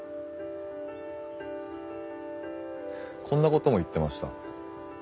こんなことも言ってました。